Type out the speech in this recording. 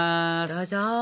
どうぞ！